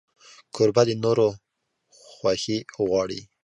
کوربه د نورو خوښي غواړي.